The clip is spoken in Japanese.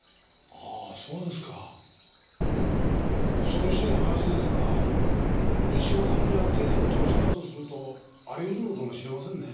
恐ろしい話ですが三島さんがやっていたことを知ったとするとありうるのかもしれませんね。